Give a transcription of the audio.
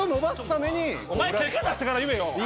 お前結果出してから言えよ。